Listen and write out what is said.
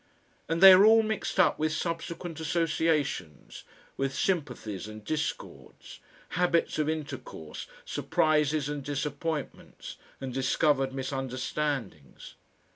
And they are all mixed up with subsequent associations, with sympathies and discords, habits of intercourse, surprises and disappointments and discovered misunderstandings.